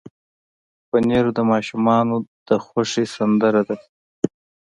پنېر د ماشومانو د خوښې سندره ده.